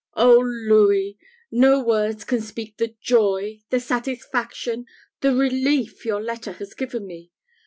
Oh, Louis! no words can speak the joy, the satisfaction, the relief your letter has given me.